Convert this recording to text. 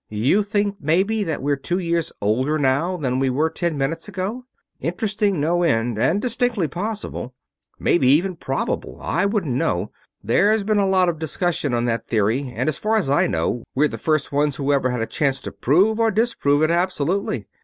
You think maybe that we're two years older now than we were ten minutes ago? Interesting no end and distinctly possible. Maybe even probable I wouldn't know there's been a lot of discussion on that theory, and as far as I know we're the first ones who ever had a chance to prove or disprove it absolutely.